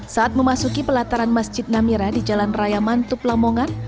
saat memasuki pelataran masjid namira di jalan rayaman tuplamongan